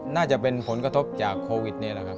น่าจะเป็นผลกระทบจากโควิดนี่แหละครับ